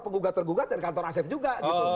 penggugat tergugat dan kantor asep juga